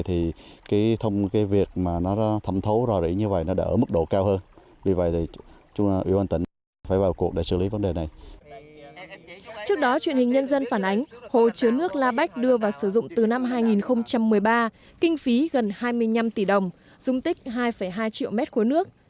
trước đó truyền hình nhân dân phản ánh hồ chứa nước la bách đưa vào sử dụng từ năm hai nghìn một mươi ba kinh phí gần hai mươi năm tỷ đồng dung tích hai hai triệu m ba nước